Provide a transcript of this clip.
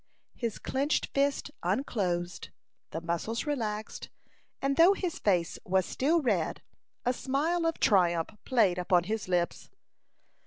His clinched fist unclosed, the muscles relaxed, and though his face was still red, a smile of triumph played upon his lips.